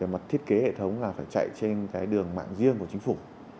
mặt thiết kế hệ thống là phải chạy trên cái đường mạng riêng của chính phủ